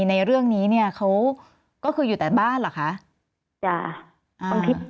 ในเรื่องนี้เนี่ยเขาก็คืออยู่แต่บ้านเหรอคะจ้ะ